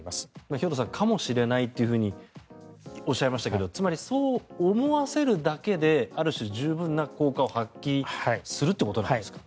兵頭さんかもしれないというふうにおっしゃいましたけどつまり、そう思わせるだけである種、十分な効果を発揮するということですか。